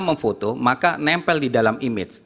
memfoto maka nempel di dalam image